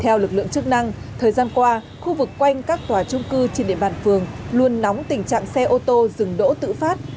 theo lực lượng chức năng thời gian qua khu vực quanh các tòa trung cư trên địa bàn phường luôn nóng tình trạng xe ô tô dừng đỗ tự phát